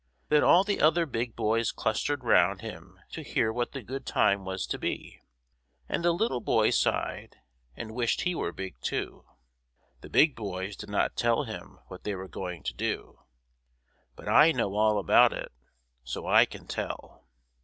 Then all the other big boys clustered round him to hear what the good time was to be, and the little boy sighed and wished he were big, too. The big boys did not tell him what they were going to do, but I know all about it, so I can tell.